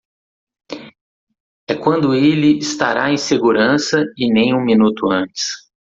É quando ele estará em segurança e nem um minuto antes.